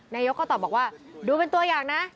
นายกก็ตอบบอกว่าดูเป็นตัวอย่างนะ